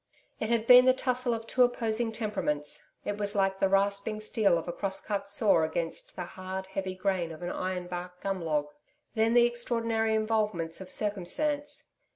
It had been the tussle of two opposing temperaments, it was like the rasping steel of a cross cut saw against the hard, heavy grain of an iron bark gum log. Then the extraordinary involvements of circumstance.